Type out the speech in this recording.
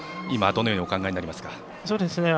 今、どのようにお考えになりますか？